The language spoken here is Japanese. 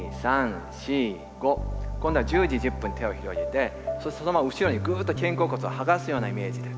今度は１０時１０分に手を広げてそしてそのまま後ろにぐっと肩甲骨を剥がすようなイメージで１２３４５。